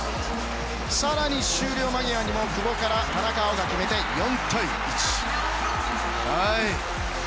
更に終了間際にも久保から田中碧が決めて４対１。